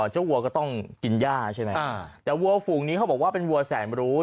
วัวก็ต้องกินย่าใช่ไหมแต่วัวฝูงนี้เขาบอกว่าเป็นวัวแสนรู้